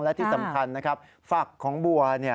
และที่สำคัญนะครับฝักของบัว